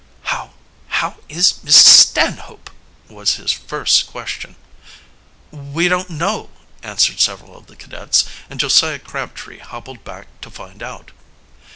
"How how is Mrs. Stanhope?" was his, first question. "We don't know," answered several of the cadets, and Josiah Crabtree hobbled back to find out.